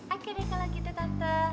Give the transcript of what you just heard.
oke deh kalau gitu tante